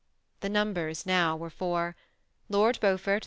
The numbers now werq for ^ Lord Beaufort •